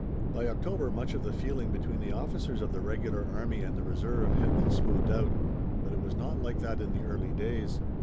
By October much of the feeling between the officers of the regular army and the reserve had been smoothed out, but it was not like that in the early days.